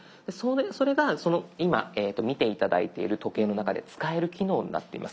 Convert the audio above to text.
それが今見て頂いている時計の中で使える機能になっています。